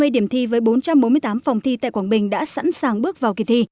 hai mươi điểm thi với bốn trăm bốn mươi tám phòng thi tại quảng bình đã sẵn sàng bước vào kỳ thi